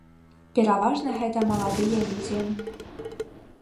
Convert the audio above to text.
Пераважна гэта маладыя людзі.